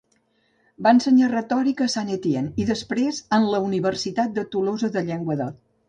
Va ensenyar retòrica a Saint-Étienne, i després en la Universitat de Tolosa de Llenguadoc.